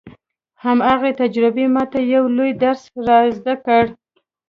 هماغې تجربې ما ته يو لوی درس را زده کړ.